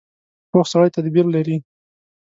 پوخ سړی تدبیر لري